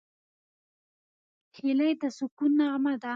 هیلۍ د سکون نغمه ده